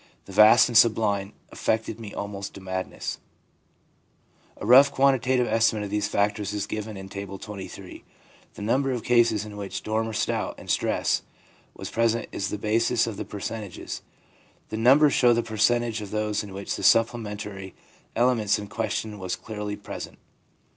The vast and sublime affected me almost to madness/ A rough quantitative estimate of these factors is given in Table XXIII. The number of cases in which doubt or storm and stress was present is the basis of the percentages. The numbers show the percentage of those in which the supplementary elements in question were clearly present.